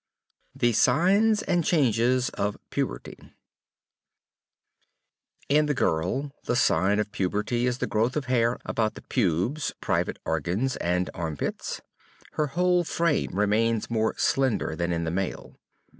THE SIGNS AND CHANGES OF PUBERTY In the girl the sign of puberty is the growth of hair about the pubes, private organs and armpits. Her whole frame remains more slender than in the male.